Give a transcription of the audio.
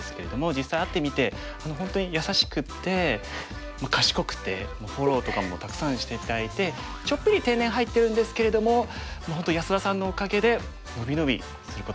実際会ってみて本当に優しくて賢くてフォローとかもたくさんして頂いてちょっぴり天然入ってるんですけれども本当安田さんのおかげで伸び伸びすることができました。